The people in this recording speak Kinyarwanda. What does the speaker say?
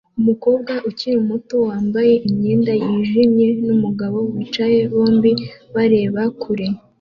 Umukobwa ukiri muto wambaye imyenda yijimye numugabo wicaye bombi bareba kure